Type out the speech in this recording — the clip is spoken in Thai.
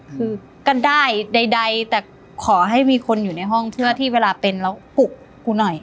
คือกันได้ใดแต่ขอให้มีคนอยู่ในห้องเพื่อที่เวลาเป็นแล้วปลุกกูหน่อย